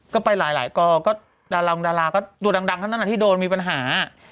ก็ไปหลายกลอนก็ดารังก็ดูดังขนาดนั้นถ้าโดนมีปัญหา